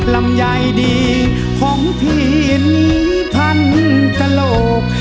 ลำไยดีของพี่นี้พันตลก